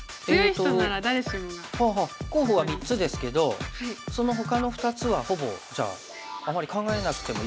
候補は３つですけどそのほかの２つはほぼじゃああまり考えなくてもいいというか。